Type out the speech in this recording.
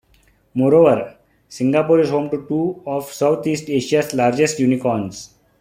Moreover, Singapore is home to two of South-East Asia's largest unicorns.